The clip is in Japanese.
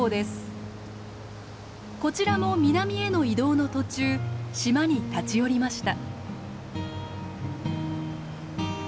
こちらも南への移動の途中島に立ち寄りました。